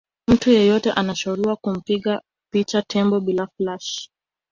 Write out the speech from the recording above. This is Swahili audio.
mtu yeyote anashauriwa kumpiga picha tembo bila flash